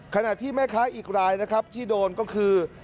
ขณะที่แม่ค้าอีกรายนะครับที่โดนก็คือ